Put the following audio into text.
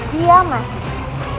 dia masih di sini